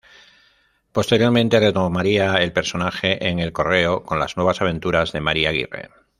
Posteriormente retomaría el personaje en "El Correo" con "Las Nuevas Aventuras de Mari Aguirre".